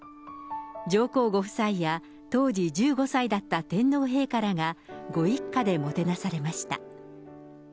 上皇ご夫妻や当時１５歳だった天皇陛下らが、ご一家でもてなされました。